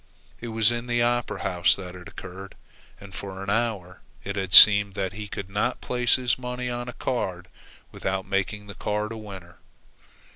It was in the Opera House that it occurred, and for an hour it had seemed that he could not place his money on a card without making the card a winner.